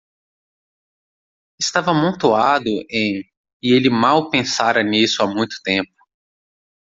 Estava amontoado em? e ele mal pensara nisso há muito tempo.